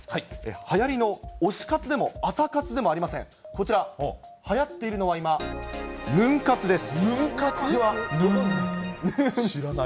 はやりの推し活でも朝活でもありません、こちら、はやっているのは、今、ヌン活です。